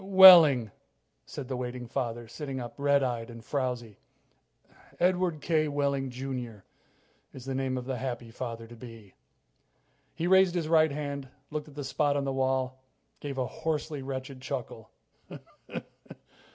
"Wehling," said the waiting father, sitting up, red eyed and frowzy. "Edward K. Wehling, Jr., is the name of the happy father to be." He raised his right hand, looked at a spot on the wall, gave a hoarsely wretched chuckle.